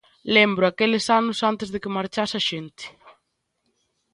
Lembro aqueles anos antes de que marchase a xente.